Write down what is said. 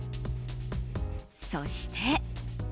そして。